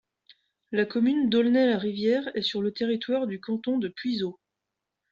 La commune d'Aulnay-la-Rivière est sur le territoire du canton de Puiseaux.